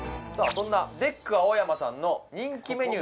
そんなＤＥＫ青山さんの人気メニュー